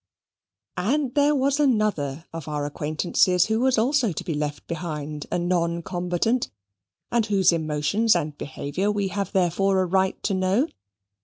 And there was another of our acquaintances who was also to be left behind, a non combatant, and whose emotions and behaviour we have therefore a right to know.